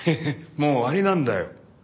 もう終わりなんだよ。